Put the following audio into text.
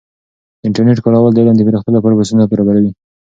د انټرنیټ کارول د علم د پراختیا لپاره فرصتونه برابروي.